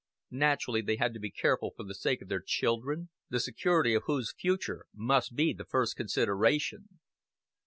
Naturally they had to be careful for the sake of their children, the security of whose future must be the first consideration.